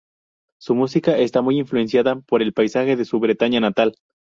Su música está muy influenciada por el paisaje de su Bretaña natal.